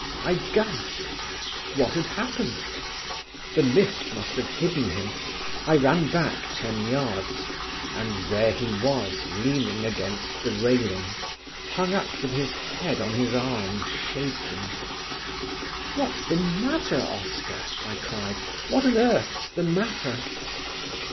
I gasped; what had happened? The mist must have hidden him; I ran back ten yards, and there he was leaning against the railing, hung up with his head on his arm shaking. "What's the matter, Oscar?" I cried. "What on earth's the matter?"